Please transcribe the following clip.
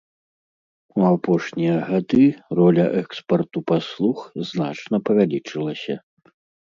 У апошнія гады роля экспарту паслуг значна павялічылася.